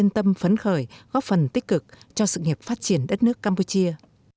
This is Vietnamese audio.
tâm phấn khởi góp phần tích cực cho sự nghiệp phát triển đất nước campuchia